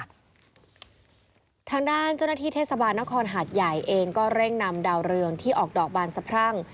ทางด้านเจ้าหน้าที่เทศบาลนครหาดใหญ่เองก็เร่งนำดาวเรืองที่ออกดอกบานสะพรั่ง